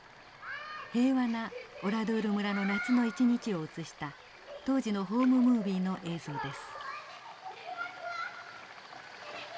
平和なオラドゥール村の夏の一日を映した当時のホームムービーの映像です。